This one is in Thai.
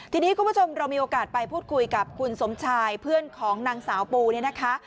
ทีนี้คุณผู้ชมเรามีโอกาสไปพูดคุยกับคุณสมชายเพื่อนของนางสาวปูเนี่ยนะคะ